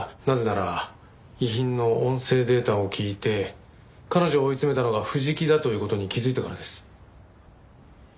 なぜなら遺品の音声データを聞いて彼女を追い詰めたのが藤木だという事に気づいたからです。